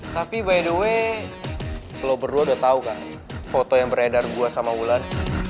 tapi by the way kalau berdua udah tahu kan foto yang beredar gue sama wulan